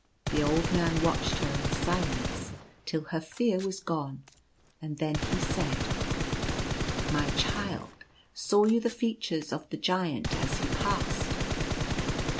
The old man watched her in silence till her fear was gone, and then he said :" My child, saw you the features of the Giant as he passed